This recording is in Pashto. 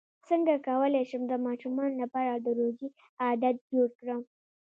څنګه کولی شم د ماشومانو لپاره د روژې عادت جوړ کړم